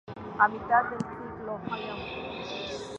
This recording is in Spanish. A mitad del siglo I a.